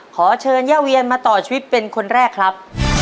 ขอเชิญย่าเวียนมาต่อชีวิตเป็นคนแรกครับ